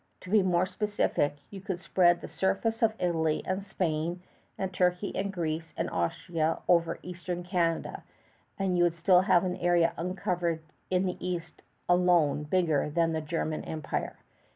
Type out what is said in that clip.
To be more specific, you could spread the surface of Italy and Spain and Turkey and Greece and Austria over eastern Canada, and you would still have an area uncovered in the east alone bigger than the German Empire.